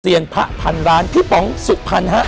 เตรียมพระพันธ์ร้านพี่ป๋องสุภัณฑ์